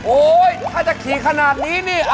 โอ๊ยถ้าจะขี่ขนาดนี้นิ